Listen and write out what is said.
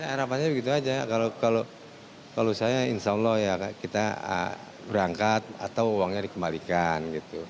harapannya begitu saja kalau saya insya allah kita berangkat atau uangnya dikembalikan